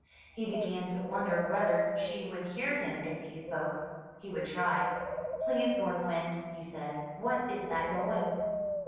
He began to wonder whether she would hear him if he spoke. He would try. "Please, North Wind," he said, "what is that noise?''